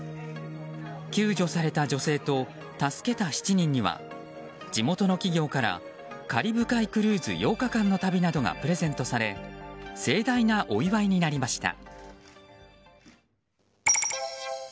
救助された女性と助けた７人には地元の企業からカリブ海クルーズ８日間の旅などがプレゼントされ盛大なお祝いになりました。